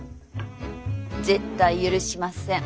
絶対許しません。